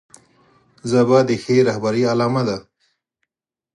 ژبه د ښې رهبرۍ علامه ده